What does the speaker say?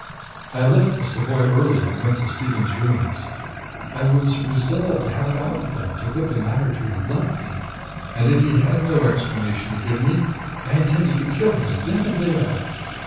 "I left the Savoy early and went to Stephen's rooms. I was resolved to have it out with him, to put the matter to him bluntly; and if he had no explanation to give me I intended to kill him then and there.